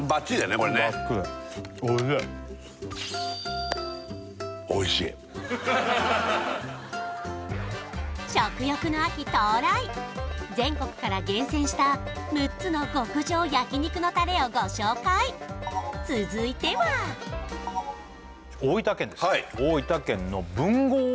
これねバッチリおいしい食欲の秋到来全国から厳選した６つの極上焼肉のタレをご紹介続いては道の駅の？